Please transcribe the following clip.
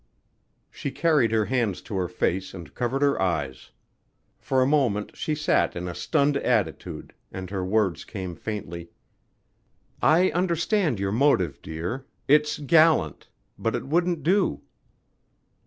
She carried her hands to her face and covered her eyes. For a moment she sat in a stunned attitude and her words came faintly: "I understand your motive, dear. It's gallant but it wouldn't do."